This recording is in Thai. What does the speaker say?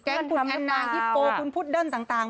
แก๊งคุณแอนาฮิปโปคุณพุทธเดิ้นต่าง